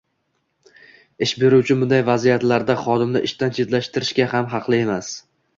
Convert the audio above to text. Ish beruvchi bunday vaziyatlarda xodimni ishdan chetlashtirishga ham haqli emas.